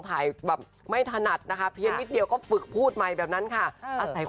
ถ่ายแบบไม่ถนัดนะคะเพียงนิดเดียวก็ฝึกพูดใหม่แบบนั้นค่ะอาศัย